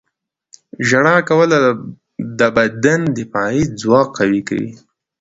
• ژړا کول د بدن دفاعي ځواک قوي کوي.